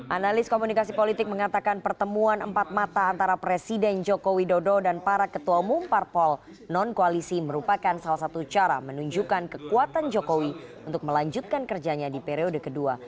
analis komunikasi politik mengatakan pertemuan empat mata antara presiden joko widodo dan para ketua umum parpol non koalisi merupakan salah satu cara menunjukkan kekuatan jokowi untuk melanjutkan kerjanya di periode kedua